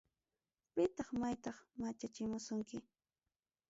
Pitaq maytaq machachimusunki.